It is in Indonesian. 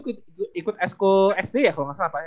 lu ikut sku sd ya kalau nggak salah